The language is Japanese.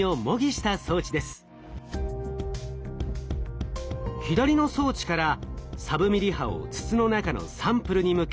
左の装置からサブミリ波を筒の中のサンプルに向け発射。